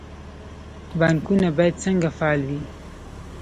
بانکونه باید څنګه فعال وي؟